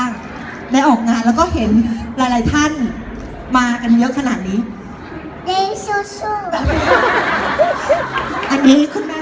ยังไงบ้างในออกงานแล้วก็เห็นหลายหลายท่านมากันเยอะขนาดนี้